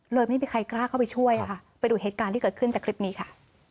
ไม่มีใครกล้าเข้าไปช่วยค่ะไปดูเหตุการณ์ที่เกิดขึ้นจากคลิปนี้ค่ะ